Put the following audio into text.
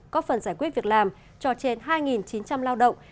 có phần giải quyết việc làm cho trên hai chín trăm linh lao động